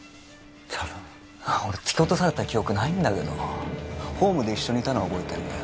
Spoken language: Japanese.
たぶん俺突き落とされた記憶ないんだけどホームで一緒にいたのは覚えてるんだよ